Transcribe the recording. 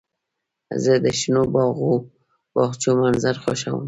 زه د شنو باغچو منظر خوښوم.